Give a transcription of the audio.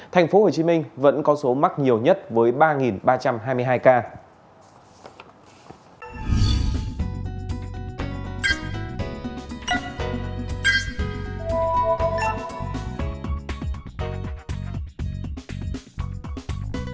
tp hcm vẫn có số mắc nhiều nhất với ba ba trăm hai mươi hai ca